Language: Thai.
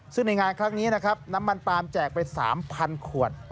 ซึ่งในงานครั้งนี้นะครับน้ำมันปาล์มแจกไป๓๐๐ขวด